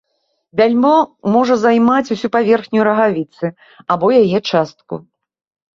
Бяльмо можа займаць усю паверхню рагавіцы або яе частку.